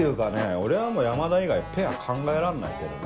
俺はもう山田以外ペア考えらんないけどね。